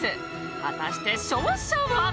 果たして勝者は？